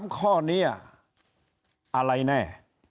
๓ข้อนี้อะไรแน่